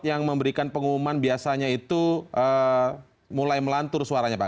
yang memberikan pengumuman biasanya itu mulai melantur suaranya pak